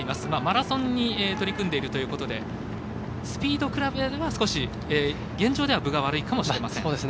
マラソンに取り組んでいるということでスピード比べると現状では分が悪いかもしれません。